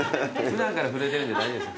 普段から震えてるんで大丈夫です。